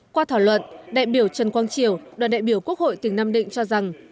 qua thảo luận đại biểu trần quang triều đoàn đại biểu quốc hội tỉnh nam định cho rằng